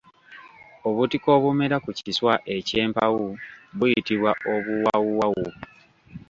Obutiko obumera ku kiswa eky’empawu buyitibwa obuwawawu.